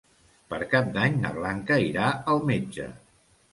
Per Cap d'Any na Blanca irà al metge.